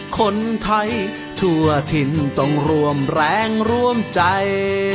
คนไทยทั่วถิ่นต้องร่วมแรงร่วมใจ